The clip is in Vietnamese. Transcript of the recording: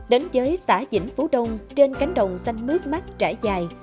đến giới xã vĩnh phú đông trên cánh đồng xanh mướt mắt trải dài